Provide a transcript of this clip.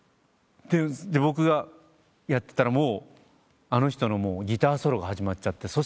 で僕がやってたらあの人のギターソロが始まっちゃって。